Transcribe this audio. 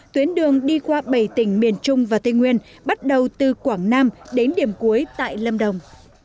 tuyến đường đi qua bảy tỉnh miền trung và tây nguyên bắt đầu từ quảng nam đến điểm cuối tại lâm đồng